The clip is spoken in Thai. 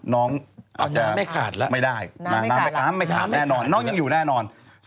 น้องไม่ได้น้ำไม่ขาดแน่นอนน้องยังอยู่แน่นอน